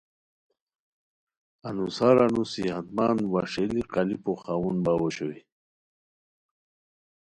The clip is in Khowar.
انوسار انوس صحت مند وا ݰئیلی قالیپو خاؤن باؤ اوشوئے